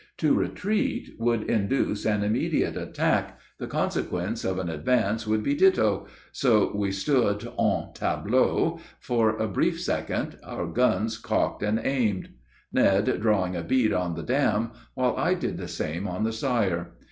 To retreat would induce an immediate attack, the consequence of an advance would be ditto, so we stood en tableaux, for a brief second, our guns cocked and aimed, Ned drawing a bead on the dam, while I did the same on the sire.